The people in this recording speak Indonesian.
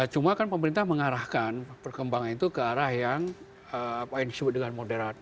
cuma kan pemerintah mengarahkan perkembangan itu ke arah yang disebut dengan moderat